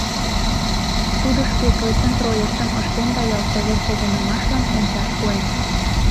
Тудо шке гычын проектым ыштен да ялсовет погынымашлан ончаш пуэн.